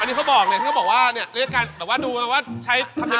อันนี้เขาบอกเนี่ยที่เขาบอกว่าเนี่ยเรียกกันแบบว่าดูมาว่าใช้ทะเบียน